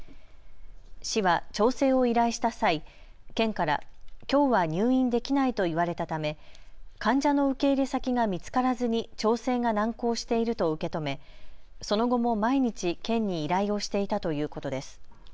市は調整を依頼した際、県からきょうは入院できないと言われたため患者の受け入れ先が見つからずに調整が難航していると受け止めその後も毎日県に依頼をしていたということです。